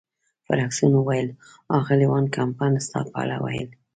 فرګوسن وویل: اغلې وان کمپن ستا په اړه ویل.